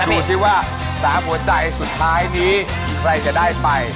ดูสิว่า๓หัวใจสุดท้ายนี้ใครจะได้ไป